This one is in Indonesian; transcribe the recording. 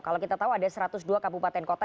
kalau kita tahu ada satu ratus dua kabupaten kota